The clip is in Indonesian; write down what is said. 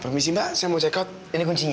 permisi mbak saya mau check out ini kuncinya